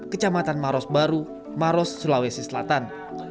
kecamatan maros baru maros sulawesi selatan